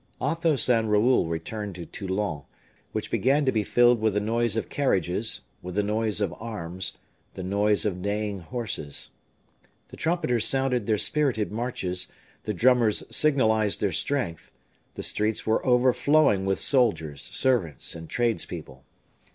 Athos and Raoul returned to Toulon, which began to be filled with the noise of carriages, with the noise of arms, the noise of neighing horses. The trumpeters sounded their spirited marches; the drummers signalized their strength; the streets were overflowing with soldiers, servants, and tradespeople.